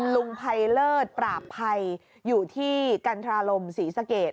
ไลเลอร์ดปรากภัยอยู่ที่กันทราลมศรีสะเกด